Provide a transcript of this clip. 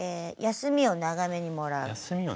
休みを長めにもらう？